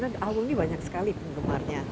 karena album ini banyak sekali penggemarnya